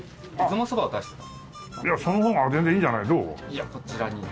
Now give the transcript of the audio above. いやこちらに。